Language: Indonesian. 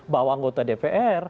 bahwa anggota dpr